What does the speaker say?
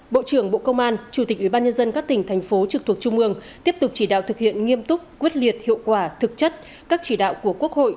bộ trưởng bộ công an chủ tịch ubnd các tỉnh thành phố trực thuộc trung ương tiếp tục chỉ đạo thực hiện nghiêm túc quyết liệt hiệu quả thực chất các chỉ đạo của quốc hội